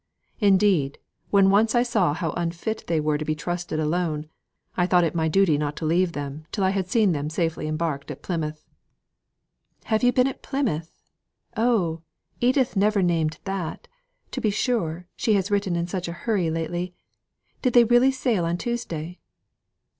Indeed, when I once saw how unfit they were to be trusted alone, I thought it my duty not to leave them till I had seen them safely embarked at Plymouth." "Have you been at Plymouth? Oh! Edith never named that. To be sure, she has written in such a hurry lately. Did they really sail on Tuesday?"